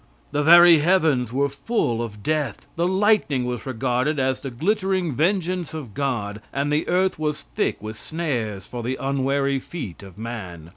The very heavens were full of death; the lightning was regarded as the glittering vengeance of God, and the earth was thick with snares for the unwary feet of man.